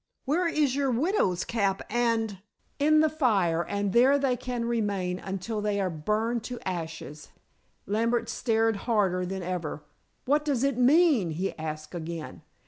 Where is your widow's cap and " "In the fire, and there they can remain until they are burned to ashes." Lambert stared harder than ever. "What does it mean?" he asked again.